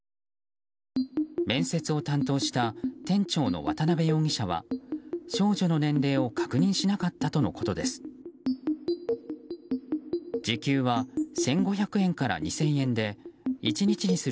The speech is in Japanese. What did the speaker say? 面接を担当した店長の渡辺容疑者は少女の年齢を確認しなかったとのことです。